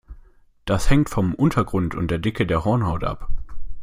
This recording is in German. Das hängt vom Untergrund und der Dicke der Hornhaut ab.